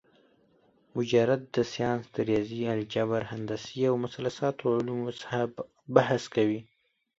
مجرد ساينس د رياضي ، الجبر ، هندسې او مثلثاتو علومو څخه بحث کوي